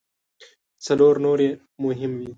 څلور نور یې مهم دي.